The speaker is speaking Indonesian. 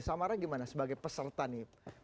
samara gimana sebagai peserta nih